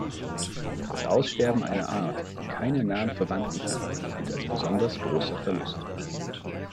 Das Aussterben einer Art, die keine nahen Verwandten hat, gilt als besonders großer Verlust.